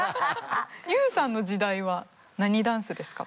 ＹＯＵさんの時代は何ダンスですか？